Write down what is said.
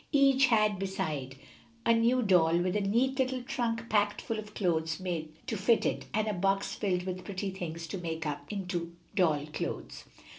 Each had beside a new doll with a neat little trunk packed full of clothes made to fit it, and a box filled with pretty things to make up into doll clothes.